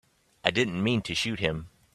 I didn't mean to shoot him.